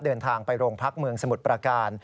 เดินทางไปโรงพักเมืองสมุทรประการ